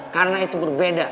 karena itu berbeda